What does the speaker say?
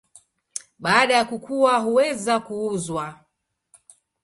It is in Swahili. Baada ya kukua huweza kuuzwa.